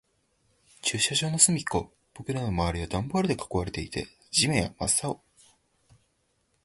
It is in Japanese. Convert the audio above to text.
駐車場の端っこ。僕らの周りはダンボールで囲われていて、地面は真っ青。